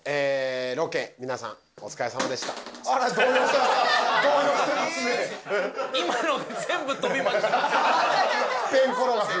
ロケ皆さんお疲れさまでしたペン転がし